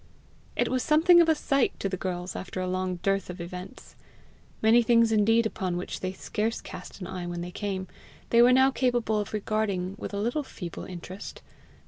It was something of a sight to the girls after a long dearth of events. Many things indeed upon which they scarce cast an eye when they came, they were now capable of regarding with a little feeble interest.